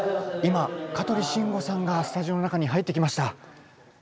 今香取慎吾さんがスタジオの中に入ってきました。